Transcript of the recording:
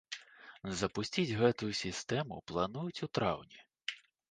Запусціць гэтую сістэму плануюць у траўні.